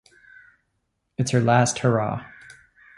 It's her last hurrah.